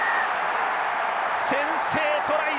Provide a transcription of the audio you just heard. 先制トライ